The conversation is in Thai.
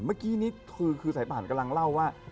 เมื่อกี้นี้คือสายป่านกำลังเล่าว่า